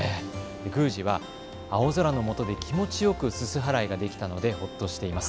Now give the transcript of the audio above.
宮司は青空のもとで気持ちよくすす払いができたのでほっとしています。